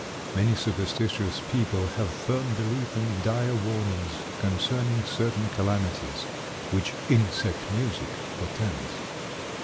Many superstitious people have firm belief in dire warnings concerning certain calamities which "insect music" portends.